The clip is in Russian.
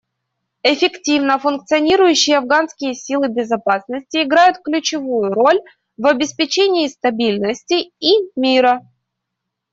Эффективно функционирующие афганские силы безопасности играют ключевую роль в обеспечении стабильности и мира.